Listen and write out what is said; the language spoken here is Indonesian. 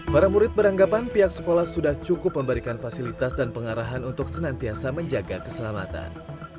para murid beranggapan pihak sekolah sudah cukup memberikan fasilitas dan pengarahan untuk senantiasa menjaga keselamatan